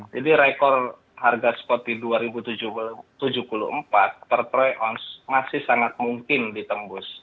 jadi rekor harga spot di dua ribu tujuh puluh empat per troy ounce masih sangat mungkin ditembus